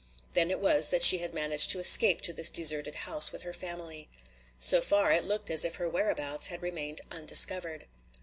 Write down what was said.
Then it was that she had managed to escape to this deserted house with her family. So far it looked as if her whereabouts had remained undiscovered.